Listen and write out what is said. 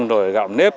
rồi gạo nếp